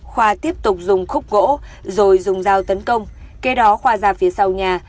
khoa tiếp tục dùng khúc gỗ rồi dùng dao tấn công kế đó khoa ra phía sau nhà